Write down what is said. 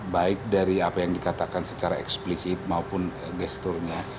baik dari apa yang dikatakan secara eksplisit maupun gesturnya